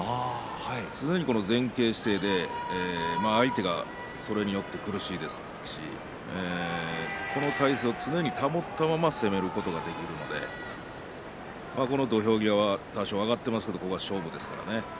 常に前傾姿勢で、相手がそれによって苦しいですしこの体勢を常に保ったまま攻めることができるのでこの土俵際は多少上がっていますけれどもここは勝負ですからね。